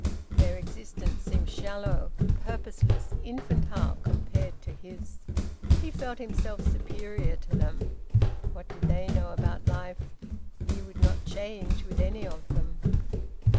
Their existence seemed shallow, purposeless, infantile, compared to his. He felt himself superior to them. What did they know about life? He would not change with any of them.